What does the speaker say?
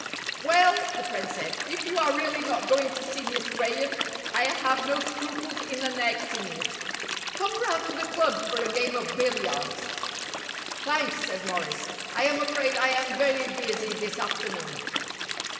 "Well," the friend said, "if you are really not going to see Miss Graham I have no scruples in annexing you. Come round to the club for a game of billiards." "Thanks," said Morris, "I am afraid I am very busy this afternoon."